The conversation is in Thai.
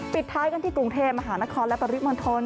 ปิดท้ายกันที่กรุงเทพมหานครและปริมณฑล